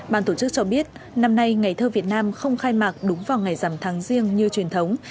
ban tổ chức cho biết năm nay ngày thơ việt nam không khai mạc đúng vào ngày dằm tháng riêng như truyền thống